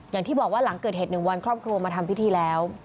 อย่างที่บอกว่าหลังเกิดเหตุ๑วันครอบครัวมาทำพิธีแล้ว